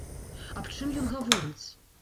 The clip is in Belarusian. Аб чым ён гаворыць?